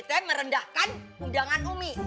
tegang merendahkan undangan umi